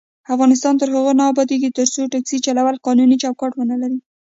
افغانستان تر هغو نه ابادیږي، ترڅو ټکسي چلول قانوني چوکاټ ونه لري.